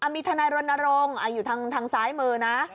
มีทนายรณรงค์อยู่ทางซ้ายมือนะ